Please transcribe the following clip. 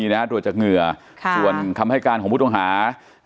ตรวจจากเหงื่อส่วนคำให้การของผู้ต้องหา